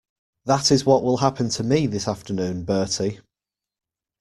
That is what will happen to me this afternoon, Bertie.